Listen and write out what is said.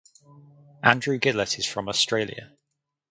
Andrew Gillett is from Australia.